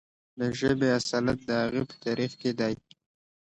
د ژبې اصالت د هغې په تاریخ کې دی.